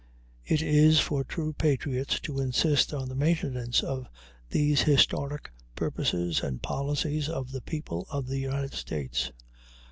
It is for true patriots to insist on the maintenance of these historic purposes and policies of the people of the United States.